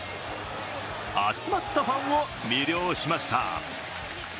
集まったファンを魅了しました。